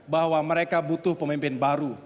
bahwa mereka butuh pemimpin baru